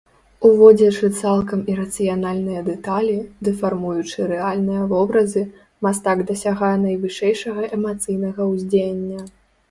Уводзячы цалкам ірацыянальныя дэталі, дэфармуючы рэальныя вобразы, мастак дасягае найвышэйшага эмацыйнага ўздзеяння.